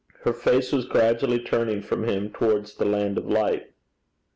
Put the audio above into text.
Her face was gradually turning from him towards the land of light.